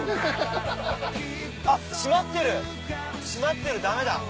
閉まってる閉まってるダメだ。